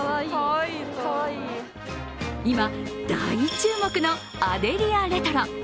今、大注目のアデリアレトロ。